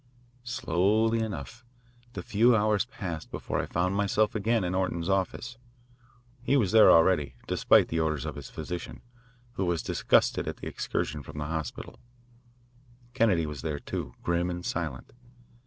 Slowly enough the few hours passed before I found myself again in Orton's office. He was there already, despite the orders of his physician, who was disgusted at this excursion from the hospital. Kennedy was there, too, grim and silent.